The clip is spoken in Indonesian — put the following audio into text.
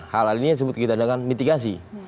hal ini disebut kita dengan mitigasi